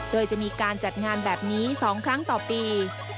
โดยจะมีการจัดงานแบบนี้๒ครั้งต่อปี